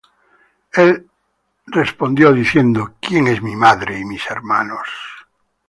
Y él les respondió, diciendo: ¿Quién es mi madre y mis hermanos?